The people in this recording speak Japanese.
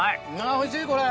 おいしい、これ。